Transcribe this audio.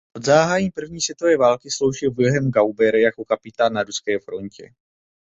Od zahájení první světové války sloužil Wilhelm Gebauer jako kapitán na ruské frontě.